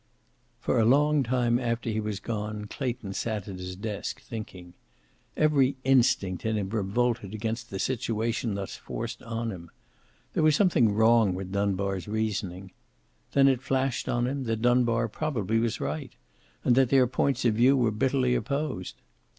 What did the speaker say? For a long time after he was gone Clayton sat at his desk, thinking. Every instinct in him revolted against the situation thus forced on him. There was something wrong with Dunbar's reasoning. Then it flashed on him that Dunbar probably was right, and that their points of view were bitterly opposed.